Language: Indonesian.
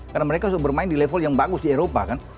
dan mereka sudah bermain di level yang bagus di eropa kan